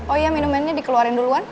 oh iya minuman ini dikeluarin duluan